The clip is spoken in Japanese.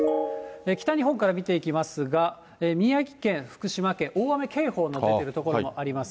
北日本から見ていきますが、宮城県、福島県、大雨警報の出ている所もあります。